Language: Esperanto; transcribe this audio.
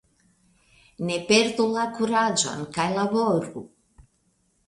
Ne perdu la kuraĝon kaj laboru!